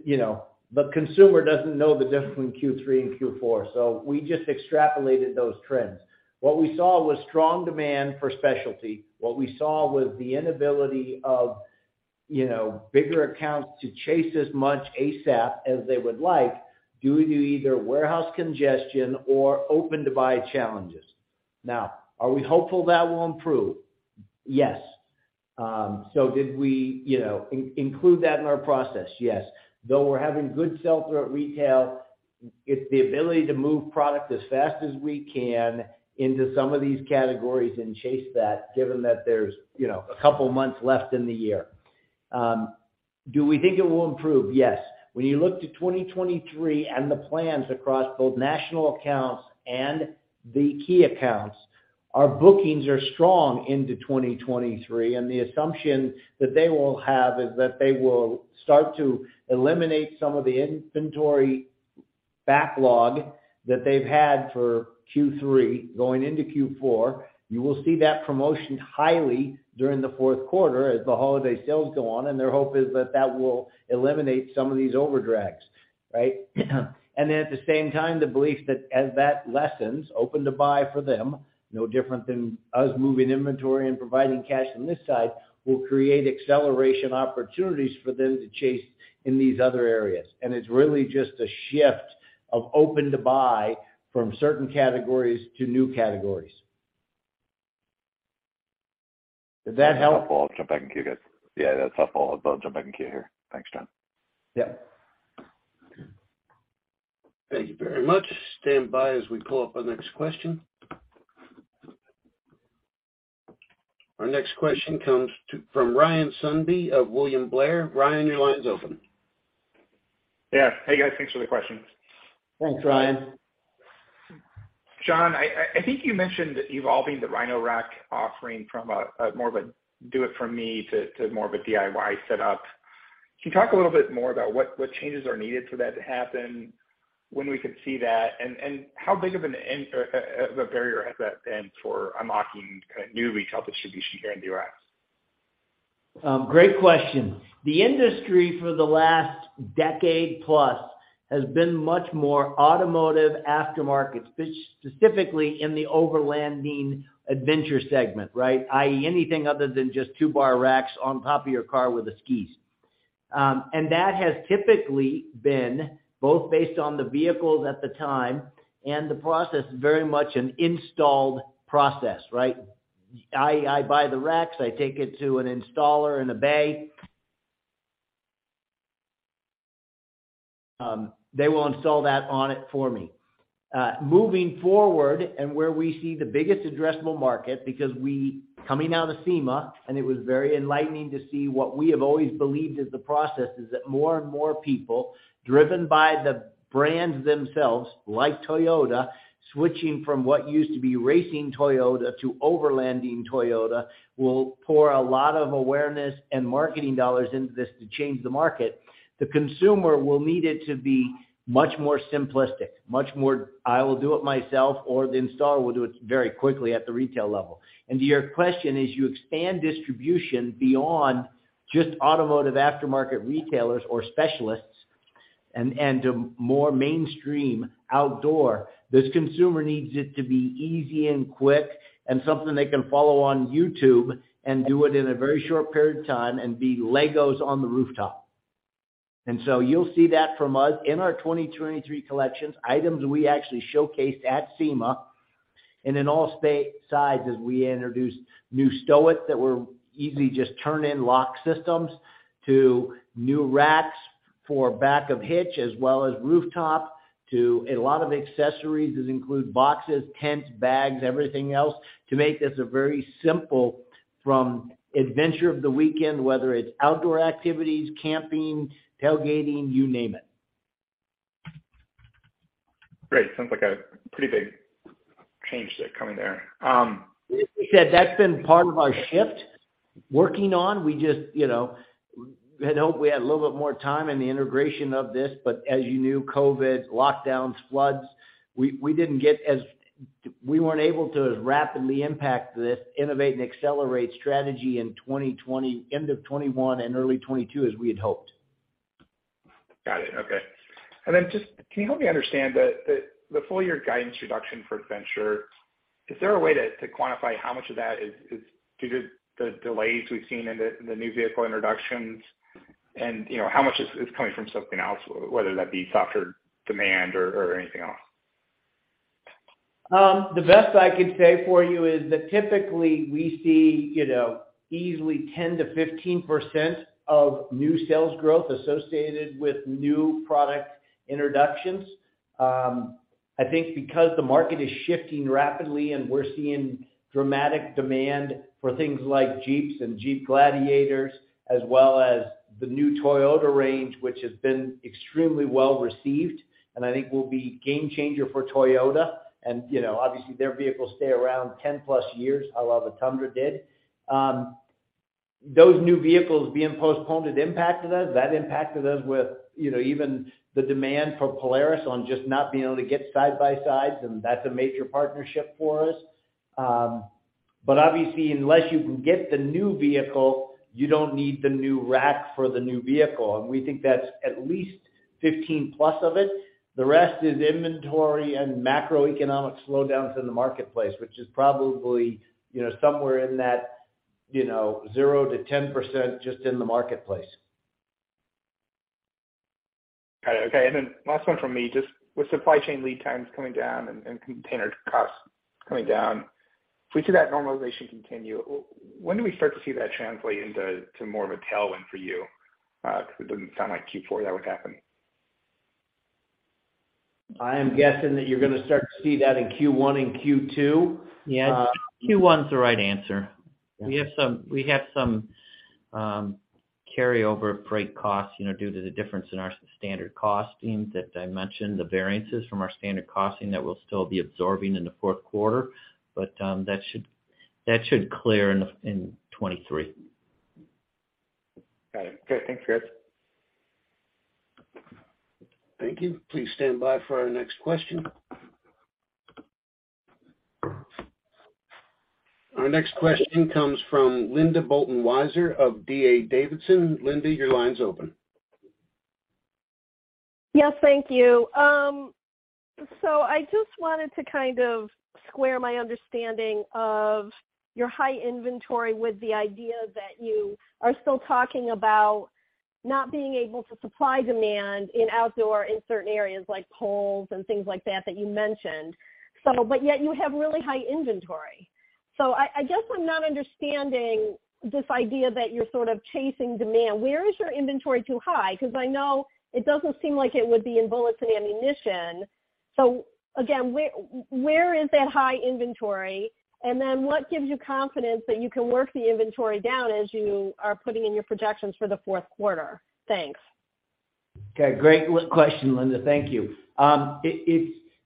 you know, the consumer doesn't know the difference between Q3 and Q4, so we just extrapolated those trends. What we saw was strong demand for specialty. What we saw was the inability of, you know, bigger accounts to chase as much ASAP as they would like due to either warehouse congestion or open to buy challenges. Now, are we hopeful that will improve? Yes. Did we, you know, include that in our process? Yes. Though we're having good sell-through at retail, it's the ability to move product as fast as we can into some of these categories and chase that given that there's, you know, a couple of months left in the year. Do we think it will improve? Yes. When you look to 2023 and the plans across both national accounts and the key accounts, our bookings are strong into 2023, and the assumption that they will have is that they will start to eliminate some of the inventory backlog that they've had for Q3 going into Q4. You will see that promotion heavily during the fourth quarter as the holiday sales go on, and their hope is that that will eliminate some of these overhangs, right? At the same time, the belief that as that lessens open to buy for them, no different than us moving inventory and providing cash on this side, will create acceleration opportunities for them to chase in these other areas. It's really just a shift of open to buy from certain categories to new categories. Does that help? That's helpful. I'll jump back in queue here. Thanks, John. Yeah. Thank you very much. Stand by as we pull up the next question. Our next question comes from Ryan Sundby of William Blair. Ryan, your line's open. Yeah. Hey, guys, thanks for the questions. Thanks, Ryan. John, I think you mentioned evolving the Rhino-Rack offering from a more of a do it for me to more of a DIY setup. Can you talk a little bit more about what changes are needed for that to happen, when we could see that, and how big of a barrier has that been for unlocking kind of new retail distribution here in the U.S.? Great question. The industry for the last decade plus has been much more automotive aftermarket, specifically in the overlanding adventure segment, right? I.e., anything other than just two bar racks on top of your car with the skis. That has typically been both based on the vehicles at the time and the process is very much an installed process, right? I buy the racks, I take it to an installer in a bay, they will install that on it for me. Moving forward where we see the biggest addressable market because coming out of SEMA, it was very enlightening to see what we have always believed is the process, is that more and more people driven by the brands themselves, like Toyota, switching from what used to be racing Toyota to overlanding Toyota, will pour a lot of awareness and marketing dollars into this to change the market. The consumer will need it to be much more simplistic, much more, I will do it myself or the installer will do it very quickly at the retail level. To your question, as you expand distribution beyond just automotive aftermarket retailers or specialists and to more mainstream outdoor, this consumer needs it to be easy and quick and something they can follow on YouTube and do it in a very short period of time and be Legos on the rooftop. You'll see that from us in our 2022, 2023 collections, items we actually showcased at SEMA. In all sizes, we introduced new STOW iT that were easy, just turn-in lock systems to new racks for back of hitch as well as rooftop to a lot of accessories that include boxes, tents, bags, everything else to make this a very simple fun adventure of the weekend, whether it's outdoor activities, camping, tailgating, you name it. Great. Sounds like a pretty big change that's coming there. Like we said, that's been part of our shift working on. We just, you know, had hoped we had a little bit more time in the integration of this. As you knew, COVID, lockdowns, floods, we weren't able to as rapidly impact this innovate and accelerate strategy in 2020, end of 2021 and early 2022 as we had hoped. Got it. Okay. Just can you help me understand the full year guidance reduction for Adventure? Is there a way to quantify how much of that is due to the delays we've seen in the new vehicle introductions and, you know, how much is coming from something else, whether that be softer demand or anything else? The best I could say for you is that typically we see, you know, easily 10%-15% of new sales growth associated with new product introductions. I think because the market is shifting rapidly and we're seeing dramatic demand for things like Jeeps and Jeep Gladiators as well as the new Toyota range, which has been extremely well received and I think will be game changer for Toyota. You know, obviously their vehicles stay around 10+ years, à la the Tundra did. Those new vehicles being postponed, it impacted us. That impacted us with, you know, even the demand for Polaris on just not being able to get side by sides, and that's a major partnership for us. Obviously, unless you can get the new vehicle, you don't need the new rack for the new vehicle, and we think that's at least 15+ of it. The rest is inventory and macroeconomic slowdowns in the marketplace, which is probably, you know, somewhere in that, you know, 0%-10% just in the marketplace. Got it. Okay. Last one from me. Just with supply chain lead times coming down and container costs coming down, if we see that normalization continue, when do we start to see that translate into more of a tailwind for you? Because it doesn't sound like Q4 that would happen. I am guessing that you're gonna start to see that in Q1 and Q2. Yeah. Q1 is the right answer. We have some carryover freight costs, you know, due to the difference in our standard costing that I mentioned, the variances from our standard costing that we'll still be absorbing in the fourth quarter. That should clear in 2023. Got it. Okay. Thanks, guys. Thank you. Please stand by for our next question. Our next question comes from Linda Bolton Weiser of D.A. Davidson. Linda, your line's open. Yes, thank you. I just wanted to kind of square my understanding of your high inventory with the idea that you are still talking about not being able to supply demand in outdoor in certain areas like poles and things like that you mentioned. Yet you have really high inventory. I guess I'm not understanding this idea that you're sort of chasing demand. Where is your inventory too high? Because I know it doesn't seem like it would be in bullets and ammunition. Again, where is that high inventory? And then what gives you confidence that you can work the inventory down as you are putting in your projections for the fourth quarter? Thanks. Okay. Great question, Linda. Thank you.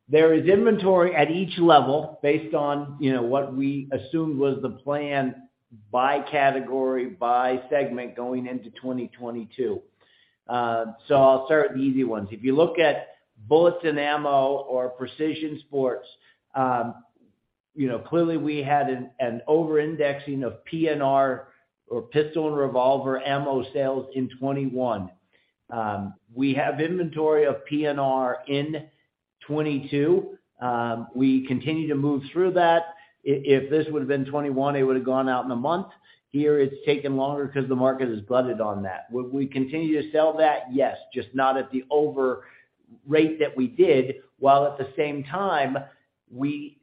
There is inventory at each level based on, you know, what we assumed was the plan by category, by segment going into 2022. I'll start with the easy ones. If you look at bullets and ammo or precision sports, you know, clearly we had an over-indexing of PNR or pistol and revolver ammo sales in 2021. We have inventory of PNR in 2022. We continue to move through that. If this would've been 2021, it would've gone out in a month. Here, it's taken longer because the market has flooded on that. Would we continue to sell that? Yes, just not at the rate that we did, while at the same time we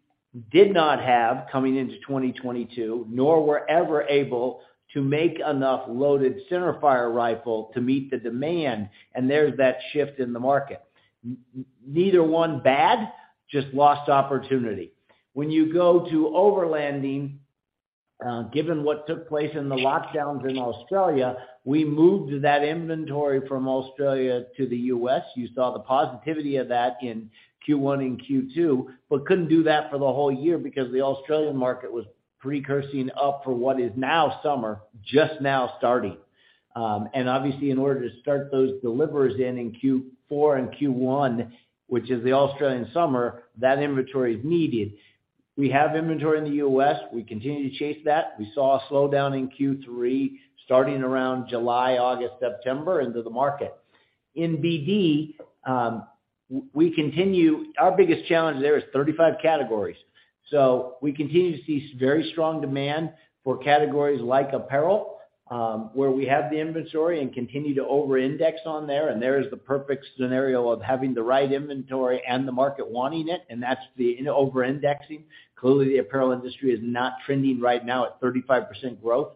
did not have, coming into 2022, nor were ever able to make enough loaded centerfire rifle to meet the demand, and there's that shift in the market. Neither one bad, just lost opportunity. When you go to overlanding, given what took place in the lockdowns in Australia, we moved that inventory from Australia to the U.S. You saw the positivity of that in Q1 and Q2, but couldn't do that for the whole year because the Australian market was picking up for what is now summer, just now starting. Obviously in order to start those deliveries in Q4 and Q1, which is the Australian summer, that inventory is needed. We have inventory in the U.S. We continue to chase that. We saw a slowdown in Q3, starting around July, August, September into the market. In BD, we continue. Our biggest challenge there is 35 categories. We continue to see very strong demand for categories like apparel, where we have the inventory and continue to over-index on there, and there is the perfect scenario of having the right inventory and the market wanting it, and that's the overindexing. Clearly, the apparel industry is not trending right now at 35% growth.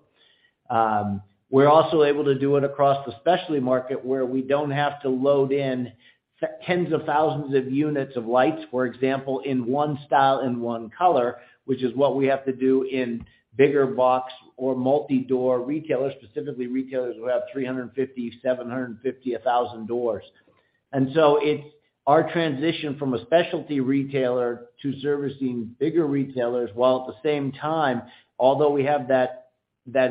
We're also able to do it across the specialty market where we don't have to load in tens of thousands of units of lights, for example, in one style, in one color, which is what we have to do in big box or multi-door retailers, specifically retailers who have 350, 750, 1,000 doors. It's our transition from a specialty retailer to servicing bigger retailers, while at the same time, although we have that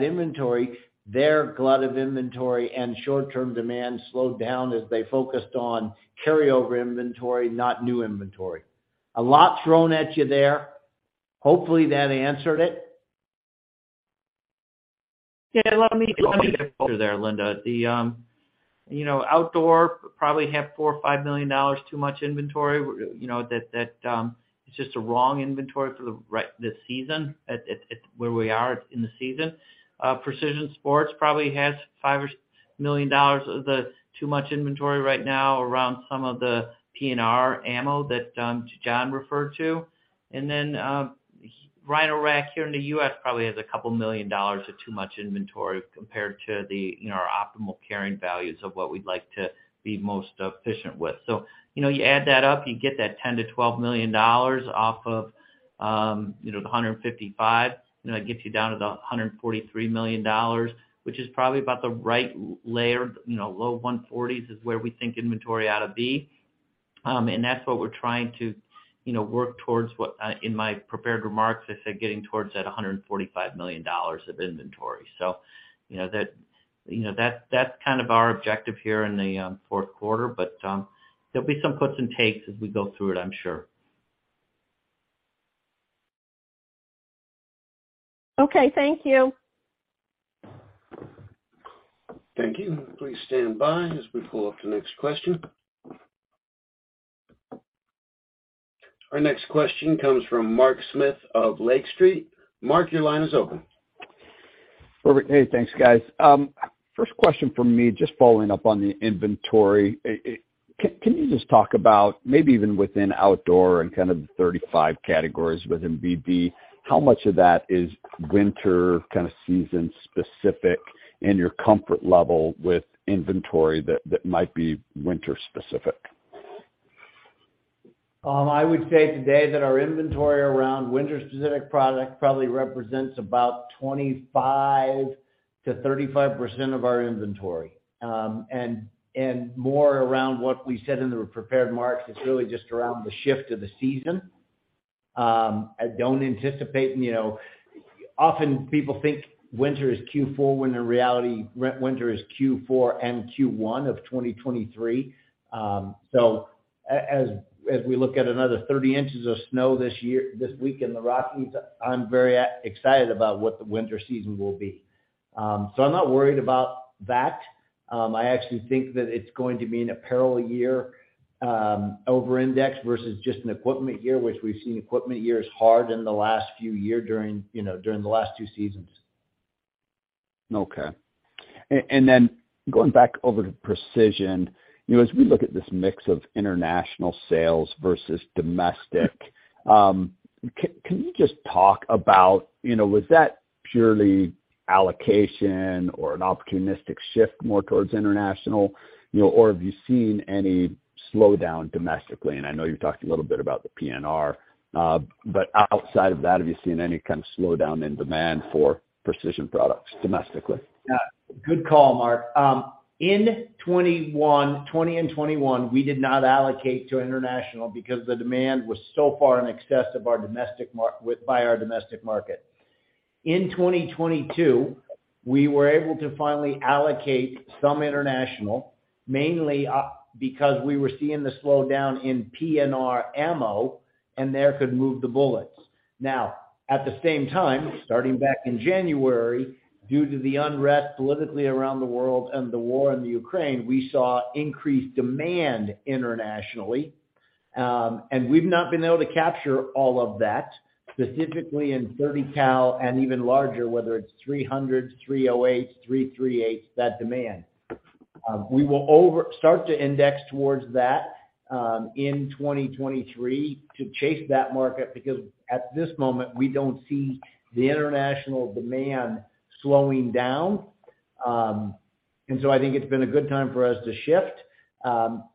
inventory, their glut of inventory and short-term demand slowed down as they focused on carryover inventory, not new inventory. A lot thrown at you there. Hopefully, that answered it. Yeah. Let me get through there, Linda. The, you know, outdoor probably has $4 million or $5 million too much inventory. You know, that it's just a wrong inventory for the season at where we are in the season. Precision sports probably has $5 million or $6 million of too much inventory right now around some of the PNR ammo that John referred to. Then, the Rhino-Rack here in the U.S. probably has a couple million dollars of too much inventory compared to the, you know, our optimal carrying values of what we'd like to be most efficient with. You know, you add that up, you get that $10 million-$12 million off of, you know, the $155 million, and that gets you down to the $143 million, which is probably about the right layer. You know, low 140s is where we think inventory ought to be. And that's what we're trying to, you know, work towards. In my prepared remarks, I said, getting towards that $145 million of inventory. You know, that's kind of our objective here in the fourth quarter. There'll be some puts and takes as we go through it, I'm sure. Okay. Thank you. Thank you. Please stand by as we pull up the next question. Our next question comes from Mark Smith of Lake Street. Mark, your line is open. Perfect. Hey, thanks, guys. First question from me, just following up on the inventory. Can you just talk about maybe even within outdoor and kind of the 35 categories within BD, how much of that is winter kind of season specific and your comfort level with inventory that might be winter specific? I would say today that our inventory around winter specific product probably represents about 25%-35% of our inventory. More around what we said in the prepared remarks, it's really just around the shift of the season. I don't anticipate. You know, often people think winter is Q4, when in reality, winter is Q4 and Q1 of 2023. As we look at another 30 in of snow this year, this week in the Rockies, I'm very excited about what the winter season will be. I'm not worried about that. I actually think that it's going to be an apparel year, overindex versus just an equipment year, which we've seen equipment year is hard in the last few year during, you know, during the last two seasons. Okay. Going back over to Precision, you know, as we look at this mix of international sales versus domestic, can you just talk about, you know, was that purely allocation or an opportunistic shift more towards international? You know, or have you seen any slowdown domestically? I know you've talked a little bit about the PNR. Outside of that, have you seen any kind of slowdown in demand for Precision products domestically? Yeah. Good call, Mark. In 2021, 2020 and 2021, we did not allocate to international because the demand was so far in excess of our domestic by our domestic market. In 2022, we were able to finally allocate some international, mainly, because we were seeing the slowdown in PNR ammo and there we could move the bullets. Now, at the same time, starting back in January, due to the unrest politically around the world and the war in Ukraine, we saw increased demand internationally, and we've not been able to capture all of that, specifically in 30 cal and even larger, whether it's 300, 308, 338, that demand. We will start to index towards that, in 2023 to chase that market because at this moment, we don't see the international demand slowing down. I think it's been a good time for us to shift.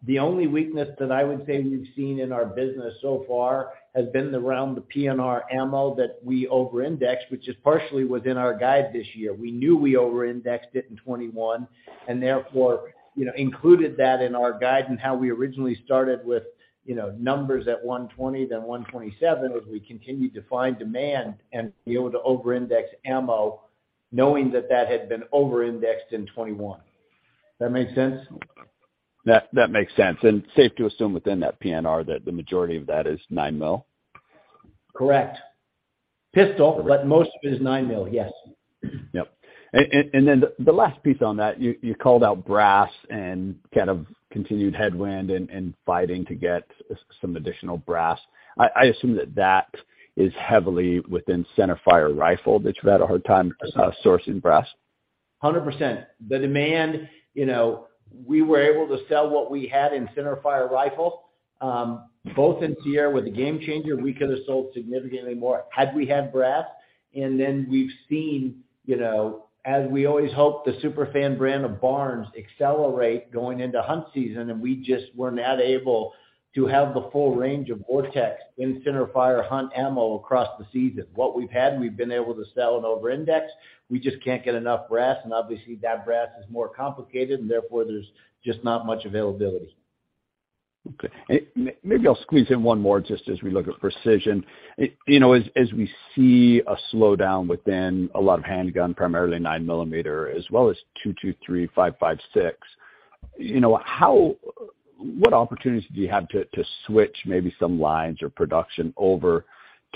The only weakness that I would say we've seen in our business so far has been around the PNR ammo that we over-indexed, which is partially within our guide this year. We knew we over-indexed it in 2021, and therefore, you know, included that in our guide and how we originally started with, you know, numbers at $120, then $127, as we continued to find demand and be able to over-index ammo knowing that that had been over-indexed in 2021. That make sense? That makes sense. Safe to assume within that PNR that the majority of that is 9 mm? Correct. Pistol, but most of it is 9 mm. Yes. Yep. The last piece on that, you called out brass and kind of continued headwind and fighting to get some additional brass. I assume that is heavily within centerfire rifle that you've had a hard time sourcing brass. 100%. The demand, you know, we were able to sell what we had in centerfire rifle, both in Sierra with the GameChanger, we could have sold significantly more had we had brass. We've seen, you know, as we always hope, the super fan brand of Barnes accelerate going into hunt season, and we just were not able to have the full range of VOR-TX in centerfire hunt ammo across the season. What we've had, we've been able to sell and over-index. We just can't get enough brass, and obviously that brass is more complicated, and therefore there's just not much availability. Maybe I'll squeeze in one more just as we look at precision. You know, as we see a slowdown within a lot of handgun, primarily 9 mm, as well as .223, 5.56, you know, what opportunities do you have to switch maybe some lines or production over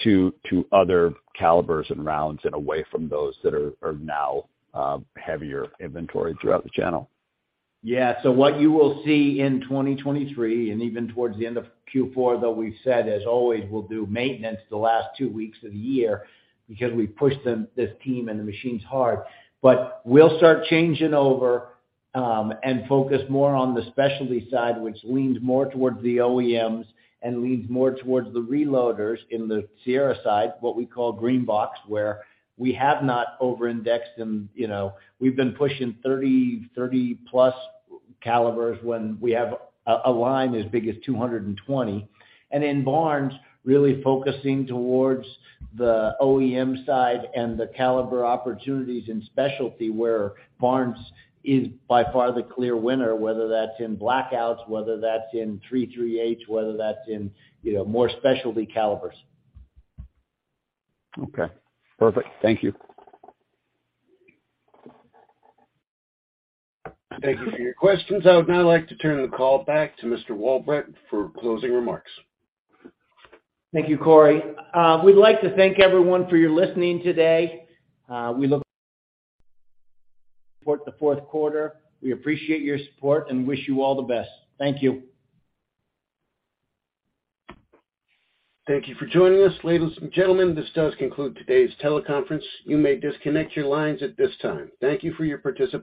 to other calibers and rounds and away from those that are now heavier inventory throughout the channel? Yeah. What you will see in 2023 and even towards the end of Q4, though we said as always we'll do maintenance the last two weeks of the year because we pushed them, this team and the machines hard. We'll start changing over and focus more on the specialty side, which leans more towards the OEMs and leans more towards the reloaders in the Sierra side, what we call green box, where we have not over-indexed and, you know, we've been pushing 30+ calibers when we have a line as big as 220. In Barnes, really focusing towards the OEM side and the caliber opportunities in specialty where Barnes is by far the clear winner, whether that's in blackouts, whether that's in 338, whether that's in, you know, more specialty calibers. Okay. Perfect. Thank you. Thank you for your questions. I would now like to turn the call back to Mr. Walbrecht for closing remarks. Thank you, Cody. We'd like to thank everyone for listening today. We look forward to the fourth quarter. We appreciate your support and wish you all the best. Thank you. Thank you for joining us. Ladies and gentlemen, this does conclude today's teleconference. You may disconnect your lines at this time. Thank you for your participation.